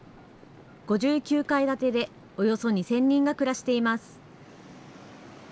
５９階建てでおよそ２０００人が暮らしています。